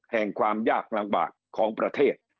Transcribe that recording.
แห่งความยากลำบากของประเทศ